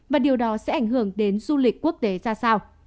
và điều đó sẽ ảnh hưởng đến du lịch quốc tế ra sao